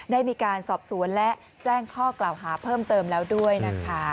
ได้มีการสอบสวนและแจ้งข้อกล่าวหาเพิ่มเติมแล้วด้วยนะคะ